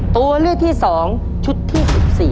ตัวเลือกที่สองชุดที่สิบสี่